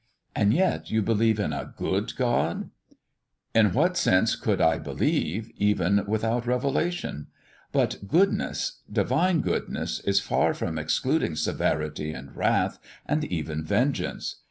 "And yet you believe in a good God?" "In what else could I believe, even without revelation? But goodness, divine goodness, is far from excluding severity and wrath, and even vengeance.